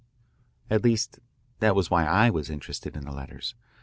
"At least that was why I was interested in the letters.